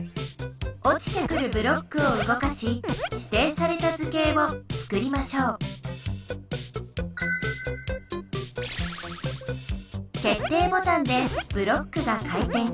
おちてくるブロックをうごかししていされた図形をつくりましょう決定ボタンでブロックが回転。